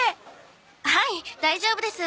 はい大丈夫です。